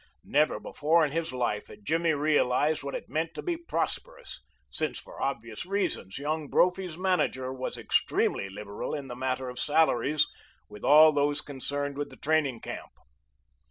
Never before in his life had Jimmy realized what it meant to be prosperous, since for obvious reasons Young Brophy's manager was extremely liberal in the matter of salaries with all those connected with the training camp.